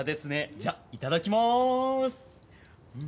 じゃあいただきまーす。